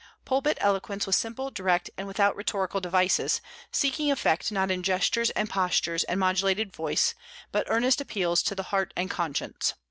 Pulpit eloquence was simple, direct, and without rhetorical devices; seeking effect not in gestures and postures and modulated voice, but earnest appeals to the heart and conscience.